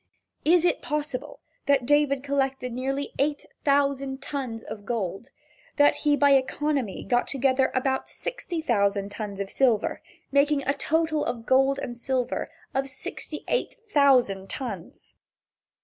Is it possible that David collected nearly eight thousand tons of gold that he by economy got together about sixty thousand tons of silver, making a total of gold and silver of sixty eight thousand tons?